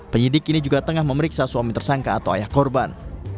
penyidik kini juga tengah memeriksa suami tersangka atau ayah korban